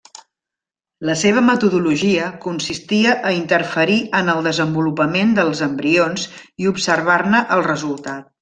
La seva metodologia consistia a interferir en el desenvolupament dels embrions i observar-ne el resultat.